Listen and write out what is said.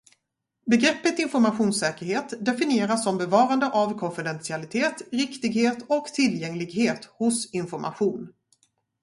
Begreppet informationssäkerhet definieras som bevarande av konfidentialitet, riktighet och tillgänglighet hos information.